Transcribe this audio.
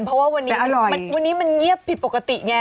เพราะว่าวันนี้มันเงี๊ยบเป็นปกติไง